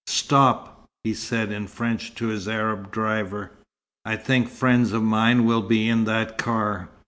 "Stop," he said in French to his Arab driver. "I think friends of mine will be in that car."